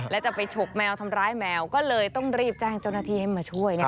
แล้วจะไปฉกแมวทำร้ายแมวก็เลยต้องรีบแจ้งเจ้าหน้าที่ให้มาช่วย